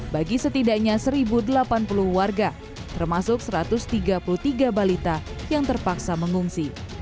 bagi setidaknya satu delapan puluh warga termasuk satu ratus tiga puluh tiga balita yang terpaksa mengungsi